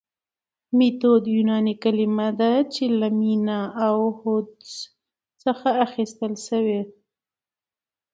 ميتود يوناني کلمه ده چي له ميتا او هودس څخه اخستل سوي